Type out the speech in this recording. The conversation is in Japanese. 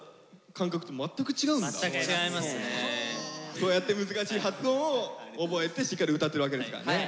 そうやって難しい発音を覚えてしっかり歌ってるわけですからね。